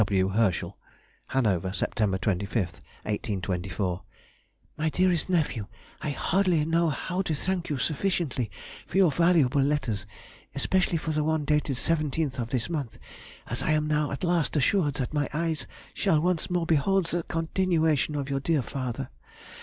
F. W. HERSCHEL. HANOVER, Sept. 25, 1824. MY DEAREST NEPHEW,— I hardly know how to thank you sufficiently for your valuable letters, especially for the one dated the 17th of this month, as I am now at last assured that my eyes shall once more behold the continuation of your dear father.